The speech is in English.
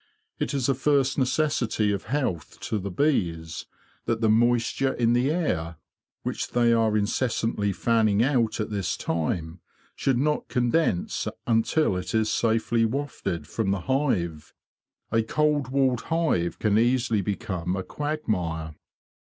It is a first necessity of health to the bees that the moisture in the air, which they are incessantly fanning out at this time, should not condense until it is safely wafted from the hive. A cold walled hive can easily become a quagmire.